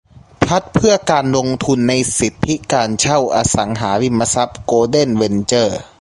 ทรัสต์เพื่อการลงทุนในสิทธิการเช่าอสังหาริมทรัพย์โกลเด้นเวนเจอร์